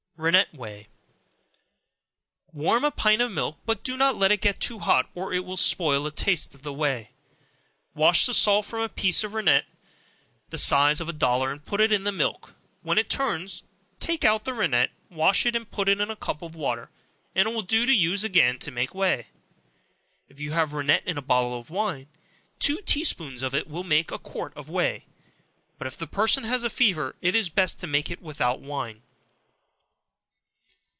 Rennet Whey. Warm a pint of milk, but do not let it get too hot, or it will spoil the taste of the whey. Wash the salt from a piece of rennet the size of a dollar, and put it in the milk; when it turns, take out the rennet; wash and put it in a cup of water, and it will do to use again to make whey. If you have rennet in a bottle of wine, two tea spoonsful of it will make a quart of whey; but if the person has fever, it is best to make it without wine.